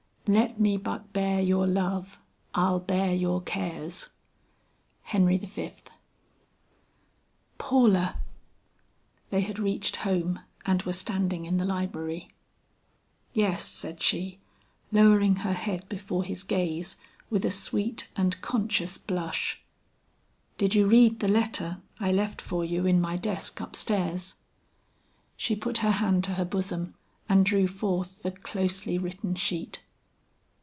"Let me but bear your love, I'll bear your cares." HENRY V. "Paula!" They had reached home and were standing in the library. "Yes," said she, lowering her head before his gaze with a sweet and conscious blush. "Did you read the letter I left for you in my desk up stairs?" She put her hand to her bosom and drew forth the closely written sheet.